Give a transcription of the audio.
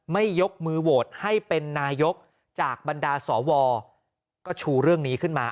ยกมือโหวตให้เป็นนายกจากบรรดาสวก็ชูเรื่องนี้ขึ้นมา